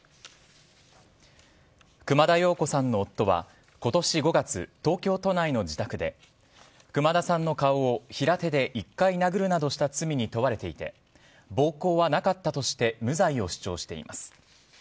熊田曜子さんの夫は今年５月、東京都内の自宅で熊田さんの顔を平手で１回殴るなどした罪に問われていて暴行はなかったとして無罪を主張しています。